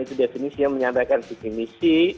itu definisinya menyampaikan definisi